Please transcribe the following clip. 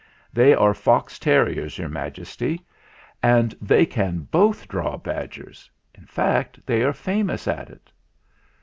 They are fox terriers, Your Majesty, and they can both draw badgers. In fact, they are famous at it."